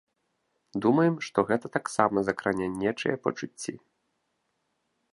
Думаем, што гэта таксама закране нечыя пачуцці.